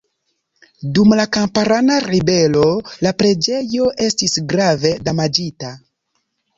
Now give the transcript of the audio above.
Dum la Kamparana ribelo la preĝejo estis grave damaĝita.